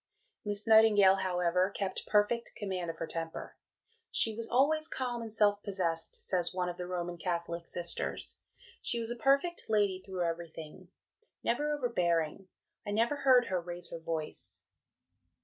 Miss Nightingale, however, kept perfect command of her temper. "She was always calm and self possessed," says one of the Roman Catholic Sisters; "she was a perfect lady through everything never overbearing. I never heard her raise her voice."